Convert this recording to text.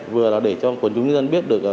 vừa là để cho quần chúng nhân biết được